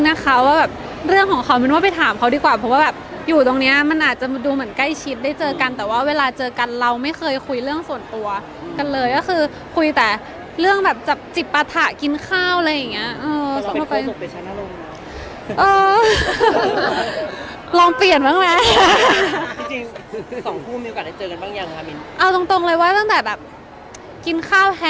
น่าน่าน่าน่าน่าน่าน่าน่าน่าน่าน่าน่าน่าน่าน่าน่าน่าน่าน่าน่าน่าน่าน่าน่าน่าน่าน่าน่าน่าน่าน่าน่าน่าน่าน่าน่าน่า